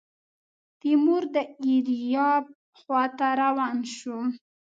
تیمور د ایریاب خواته روان شو.